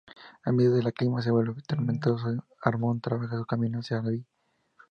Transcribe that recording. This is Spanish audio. A medida que el clima se vuelve tormentoso, Harmon trabaja su camino hacia Abby.